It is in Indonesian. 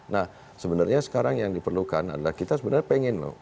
nah sebenarnya sekarang yang diperlukan adalah kita sebenarnya pengen loh